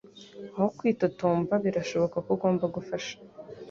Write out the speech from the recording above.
Aho kwitotomba, birashoboka ko ugomba gufasha.